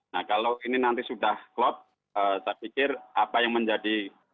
nah kalau ini nanti sudah klop saya pikir apa yang menjadi